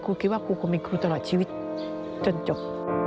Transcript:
คิดว่าครูคงเป็นครูตลอดชีวิตจนจบ